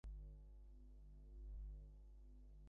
না ফেনি, এটা আমার চিঠি।